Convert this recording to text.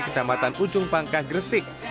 kecamatan ujung pangkah gresik